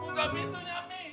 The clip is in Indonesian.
buka pintunya mi